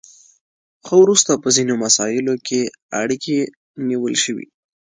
خو وروسته په ځینو مساییلو کې اړیکې نیول شوي